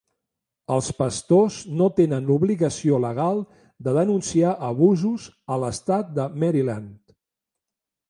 Els pastors no tenen l'obligació legal de denunciar abusos a l'estat de Maryland.